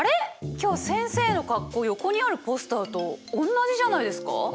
今日先生の格好横にあるポスターと同じじゃないですか？